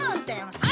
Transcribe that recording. はい！